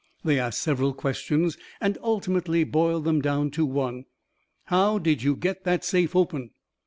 They asked several questions and ultimately boiled them down to one: "How did you get that safe open?"